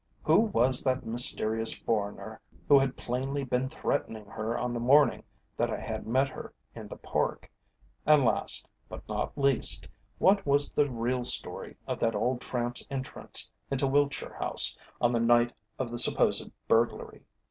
Who was that mysterious foreigner who had plainly been threatening her on the morning that I had met her in the Park? And last, but not least, what was the real story of that old tramp's entrance into Wiltshire House on the night of the supposed burglary?